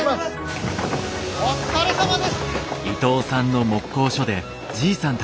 お疲れさまです！